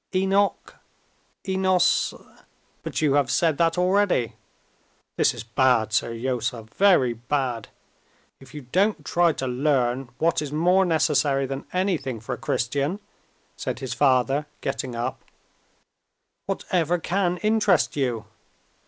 "Enoch, Enos—" "But you have said that already. This is bad, Seryozha, very bad. If you don't try to learn what is more necessary than anything for a Christian," said his father, getting up, "whatever can interest you?